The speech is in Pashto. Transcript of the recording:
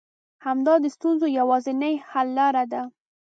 همدا د ستونزو يوازنۍ حل لاره ده.